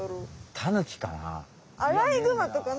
タヌキかな？